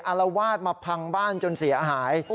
อารวาสมาพังบ้านจนเสียหาย